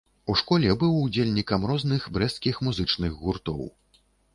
У школе быў удзельнікам розных брэсцкіх музычных гуртоў.